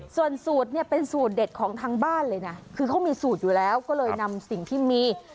ส่วนสูตรเนี่ยเป็นสูตรเด็ดของทางบ้านเลยนะคือเขามีสูตรอยู่แล้วก็เลยนำสิ่งที่มี